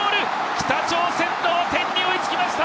北朝鮮、同点に追いつきました！